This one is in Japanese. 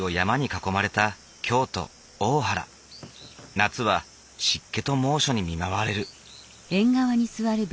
夏は湿気と猛暑に見舞われる。